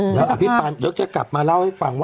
แล้วอภิปราณเดี๋ยวก็จะกลับมาเล่าให้ฟังว่า